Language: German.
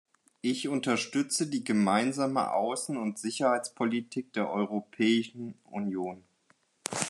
Ich unterstütze die gemeinsame Außen- und Sicherheitspolitik der Europäischen Union.